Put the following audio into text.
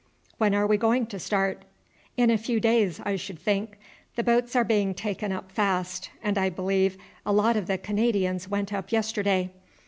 "When are we going to start?" "In a few days, I should think. The boats are being taken up fast, and I believe a lot of the Canadians went up yesterday.